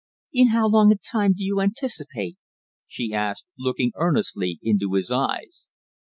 "In how long a time do you anticipate?" she asked, looking earnestly into his eyes.